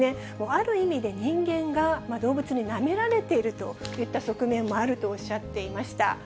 ある意味で人間が動物になめられているといった側面もあるとおっしゃっていました。